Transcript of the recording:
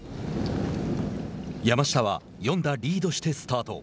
山下は４打リードしてスタート。